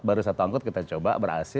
baru satu angkut kita coba ber ac